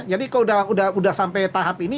jadi kalau sudah sampai tahap ini